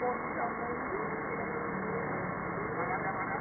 สวัสดีครับ